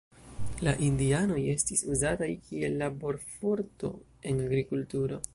La indianoj estis uzataj kiel laborforto en agrikulturo.